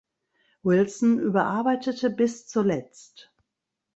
Wilson überarbeitete bis zuletzt.